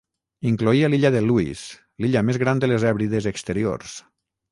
Incloïa l'illa de Lewis, l'illa més gran de les Hèbrides Exteriors.